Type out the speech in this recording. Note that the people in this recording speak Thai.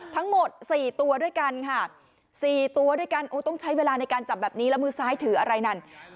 ทั้งหมด๔ตัวด้วยกันค่ะ๔ตัวด้วยกันโอ้ต้องใช้เวลาในการจับแบบนี้แล้วมือซ้ายถืออะไรนั่น